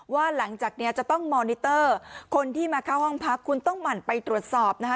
ว่าหลังจากนี้จะต้องมอนิเตอร์คนที่มาเข้าห้องพักคุณต้องหมั่นไปตรวจสอบนะคะ